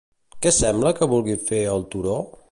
Què sembla que vulgui fer el turó?